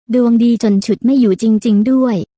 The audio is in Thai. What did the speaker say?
ดวงดีจนฉุดไม่อยู่จริงด้วย